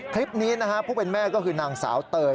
คลิปนี้พวกเป็นแม่ก็คือนางสาวเตย